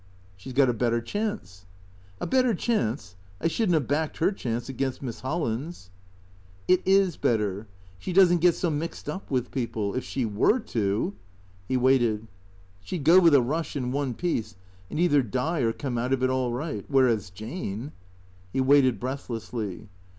" She 's got a better chance." " A better chance ? I should n't have backed her chance against Miss Holland's." THECEEATOES 77 " It is better. She does n't get so mixed up with people. If she luere to " He waited. " She 'd go with a rush, in one piece, and either die or come out of it all right. Whereas Jane " He waited breathlessly.